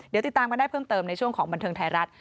เดี๋ยวติดตามกันได้เพิ่มเติมในช่วงของบันเทิงไทยรัฐ